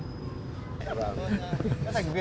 các thành viên cho ban giám khảo